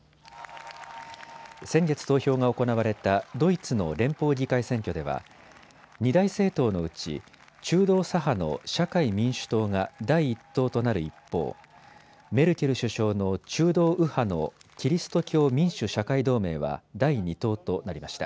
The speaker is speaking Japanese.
先月投票が行われたドイツの連邦議会選挙では二大政党のうち、中道左派の社会民主党が第１党となる一方、メルケル首相の中道右派のキリスト教民主・社会同盟は第２党となりました。